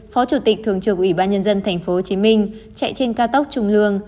phó chủ tịch thường trực ủy ban nhân dân tp hcm chạy trên cao tốc trung lương